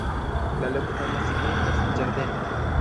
La loknomo signifas: ĝardeno.